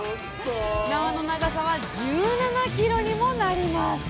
縄の長さは１７ｋｍにもなります！